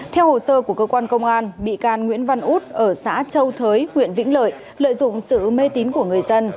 theo hồ sơ của cơ quan công an bị can nguyễn văn út ở xã châu thới huyện vĩnh lợi lợi dụng sự mê tín của người dân